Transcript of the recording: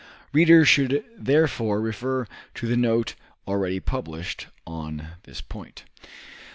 Readers should therefore refer to the note already published on this point.